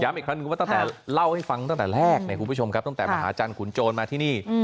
อีกครั้งหนึ่งว่าตั้งแต่เล่าให้ฟังตั้งแต่แรกเนี่ยคุณผู้ชมครับตั้งแต่มหาจันทร์ขุนโจรมาที่นี่